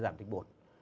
giảm tinh bột